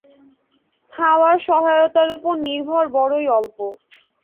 হাওয়ার সহায়তায় উপর নির্ভর বড়ই অল্প।